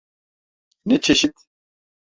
Ne çeşit?